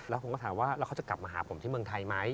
แล้วผมก็ถามว่าแล้วเขาจะกลับมาหาผมที่เมืองไทยไหม